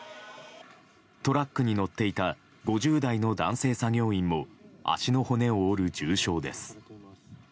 トラックに乗っていた５０代の男性作業員も足の骨を折る重傷です。